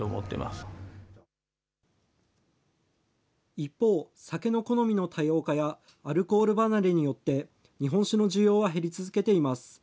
一方、酒の好みの多様化や、アルコール離れによって、日本酒の需要は減り続けています。